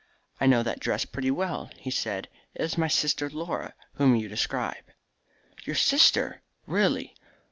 "I know that dress pretty well," he said. "It is my sister Laura whom you describe." "Your sister! Really!